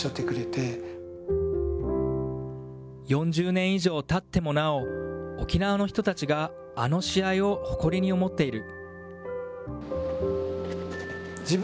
４０年以上たってもなお、沖縄の人たちがあの試合を誇りに思っている。